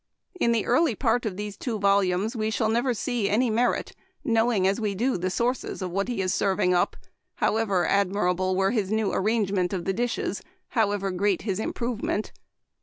In the early part of these two volumes we shall never see any merit, knowing as we do the sources of what he is serving up, how ever admirable were his new arrangement of the dishes, however great his improvement.